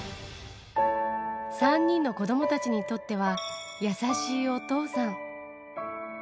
３人の子どもたちにとっては、優しいお父さん。